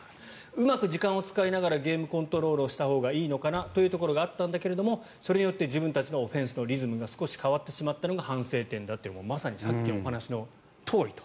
うまく時間を使いながらゲームコントロールをしたほうがいいのかなというのがあったんだけれどそれによって自分たちのオフェンスのリズムが少し変わってしまったのが反省点だとまさにさっきの話のとおりだと。